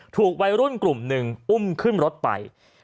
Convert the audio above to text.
ถูกวัยรุ่นกลุ่มหนึ่งอุ้มขึ้นรถไป